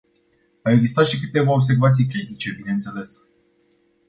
Au existat și câteva observații critice, bineînțeles.